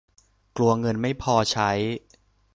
กลัวเงินไม่พอใช้